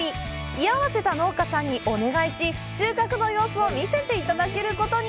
居合わせた農家さんにお願いし、収穫の様子を見せていただけることに。